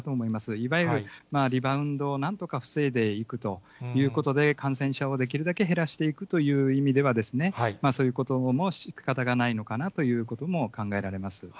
いわゆるリバウンドをなんとか防いでいくということで、感染者をできるだけ減らしていくという意味では、そういうこともしかたがないのかなということも考えられます。